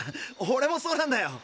オレもそうなんだよ。